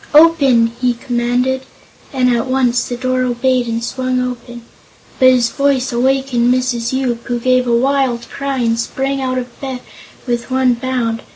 "Open!" he commanded, and at once the door obeyed and swung open, But his voice wakened Mrs. Yoop, who gave a wild cry and sprang out of bed with one bound.